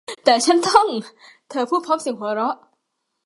แต่ฉันต้อง เธอพูดพร้อมเสียงหัวเราะ